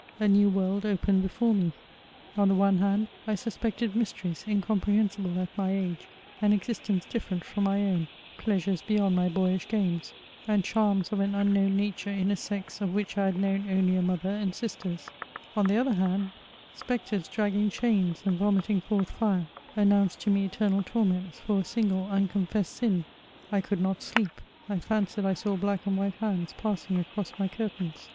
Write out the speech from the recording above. A new world opened before me. On the one hand, I suspected mys teries, incomprehensible at my age ; an existence different from my own ; pleasures beyond my boyish games, and charms of an unknown nature in a sex, of which I had known only a mother and sisters: on the other hand, spectres dragging chams, and vomiting forth fire, announced to me eternal tor ments for a single unconfessed sin. I could not sleep. I fancied I saw black and white hands passing across my curtains.